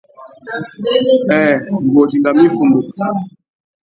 Nhêê... ngu wô dingamú iffundu.